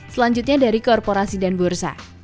selanjutnya dari korporasi dan bursa